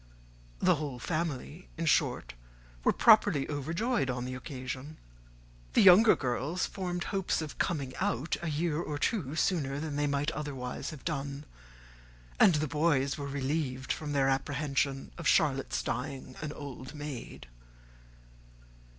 The whole family in short were properly overjoyed on the occasion. The younger girls formed hopes of coming out a year or two sooner than they might otherwise have done; and the boys were relieved from their apprehension of Charlotte's dying an old maid.